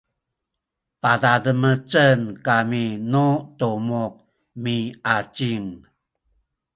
padademecen kami nu tumuk miacin